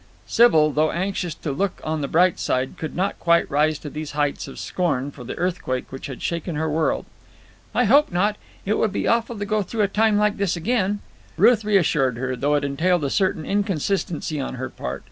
Sybil, though anxious to look on the bright side, could not quite rise to these heights of scorn for the earthquake which had shaken her world. "I hope not. It would be awful to go through a time like this again." Ruth reassured her, though it entailed a certain inconsistency on her part.